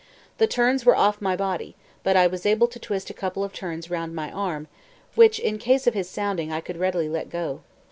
The turns were off my body, but I was able to twist a couple of turns round my arms, which, in case of his sounding, I could readily let go.